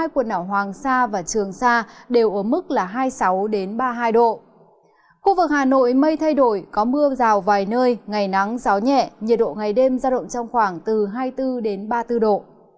khu vực hà nội mây thay đổi có mưa rào vài nơi ngày nắng gió nhẹ nhiệt độ ngày đêm ra động trong khoảng từ hai mươi bốn ba mươi bốn độ